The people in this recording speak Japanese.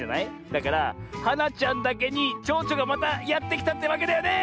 だからはなちゃんだけにちょうちょがまたやってきたってわけだよね！